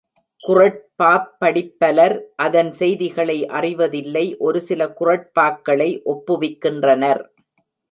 குறட்பாப் படிப்பலர் அதன் செய்திகளை அறிவதில்லை ஒரு சில குறட்பாக்களை ஒப்புவிக்கின்றனர்.